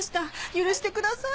許してください。